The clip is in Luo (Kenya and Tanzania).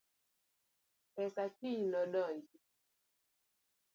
Pesa kiny nodonji